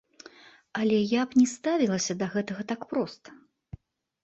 Але я б не ставілася да гэтага так проста.